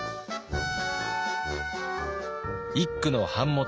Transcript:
一九の版元